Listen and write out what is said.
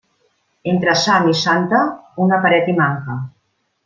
Entre sant i santa, una paret hi manca.